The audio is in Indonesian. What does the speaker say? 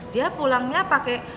dia pulangnya pake